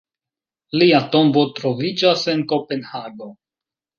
Lia tombo troviĝas en Kopenhago.